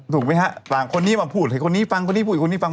ถูกไหมค่ะฟังก็พูดผิดฟังคนอีกคนอีกคนพูดฟัง